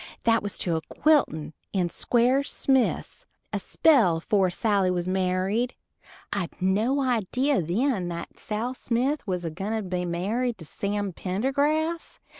That was to a quiltin' to Squire Smith's a spell afore Sally was married. I'd no idee then that Sal Smith was a gwine to be married to Sam Pendergrass.